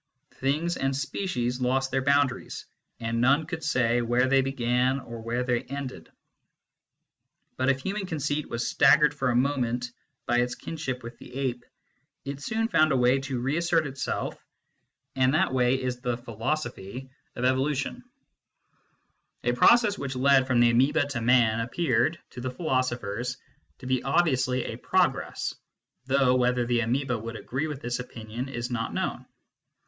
Things and species lost their boundaries, and none could say where they began or where they ended. But if human conceit was staggered for a moment by its kinship with the ape, it soon found a way to reassert itself, and that way is th* "philosophy" of evolution. 24 MYSTICISM AND LOGIC A process which led from the amoeba to Man appeared to the philosophers to be obviously a progress though whether the amoeba would agree with this opinion is not known.